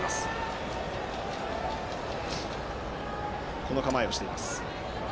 バントの構えをしています。